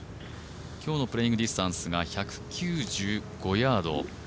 今日のプレーイング・ディスタンスが１９５ヤード。